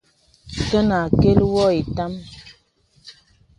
Kə ɔnə nə àkəl wɔ ìtâm.